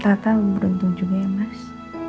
tata beruntung juga ya mas